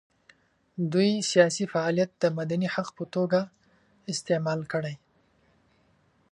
دوی سیاسي فعالیت د مدني حق په توګه استعمال کړي.